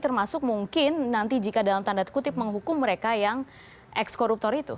termasuk mungkin nanti jika dalam tanda kutip menghukum mereka yang ex koruptor itu